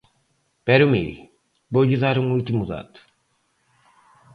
Pero, mire, voulle dar un último dato.